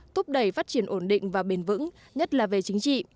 thúc đẩy phát triển ổn định và bền vững nhất là về chính trị